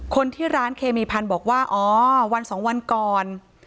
คนที่ร้านเคมีพันธุ์บอกว่าอ๋อวันสองวันก่อน